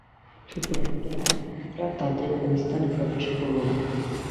সুতরাং তোমরা তাদের ঐ স্থানে প্রবেশ করো না।